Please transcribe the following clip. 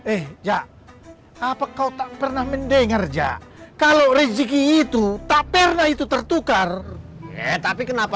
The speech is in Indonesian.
eh ya apa kau tak pernah mendengar jak kalau rezeki itu tak pernah itu tertukar eh tapi kenapa